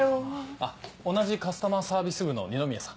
あっ同じカスタマーサービス部の二宮さん。